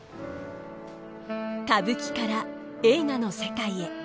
歌舞伎から映画の世界へ。